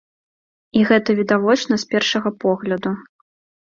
І гэта відавочна з першага погляду.